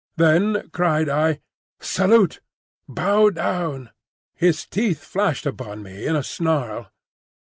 Then cried I, "Salute! Bow down!" His teeth flashed upon me in a snarl.